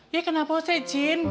ya kenapa sih cin